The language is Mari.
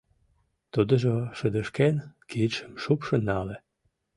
Тудыжо, шыдешкен, кидшым шупшын нале.